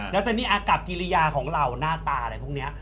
แล้วตอนนี้อากับกิริยาของเราหน้าตาอะไรพวกนี้